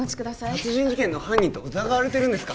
殺人事件の犯人と疑われてるんですか？